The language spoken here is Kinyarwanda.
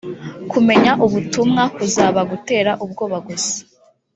kumenya ubutumwa kuzaba gutera ubwoba gusa